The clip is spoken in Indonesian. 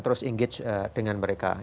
terus engage dengan mereka